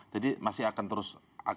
jadi masih akan terus